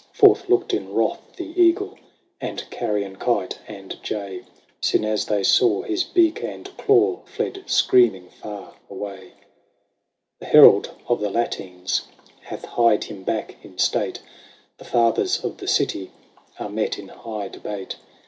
— Forth looked in wrath the eagle ; And carrion kite and jay. Soon as they saw his beak and claw. Fled screaming far away." 102 LAYS OF ANCIENT ROME. VIII. The Herald of the Latines Hath hied him back in state : The Fathers of the City Are met in high debate.